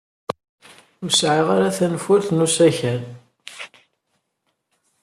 Ur sɛiɣ ara tanfult n usakal.